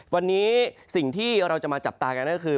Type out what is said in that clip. วันนี้สิ่งที่เราจะมาจับตากันก็คือ